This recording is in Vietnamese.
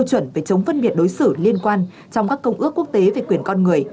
chống phân biệt đối xử liên quan trong các công ước quốc tế về quyền con người